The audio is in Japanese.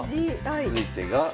続いてが。